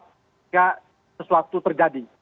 jika sesuatu terjadi